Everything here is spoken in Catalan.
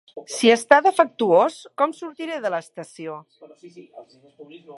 I si està defectuós com sortiré de l'estació?